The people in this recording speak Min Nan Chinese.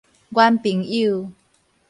阮朋友